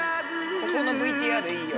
このここのＶＴＲいいよ。